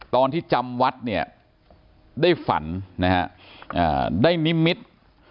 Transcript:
ตอนที่จำวัดเนี่ยได้ฝันนะครับได้นิ้มมิตร